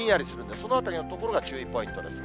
そのあたりのところが注意ポイントですね。